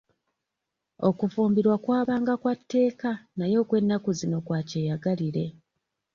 Okufumbirwa kwabanga kwa tteeka naye okw'ennaku zino kwa kyeyagalire.